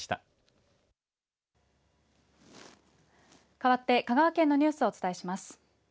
かわって香川県のニュースをお伝えします。